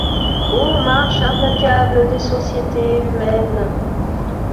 Ô marche implacable des sociétés humaines!